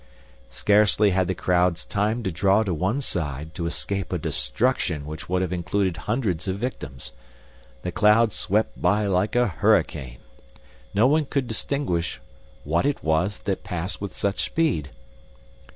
Scarcely had the crowds time to draw to one side, to escape a destruction which would have included hundreds of victims. The cloud swept by like a hurricane. No one could distinguish what it was that passed with such speed.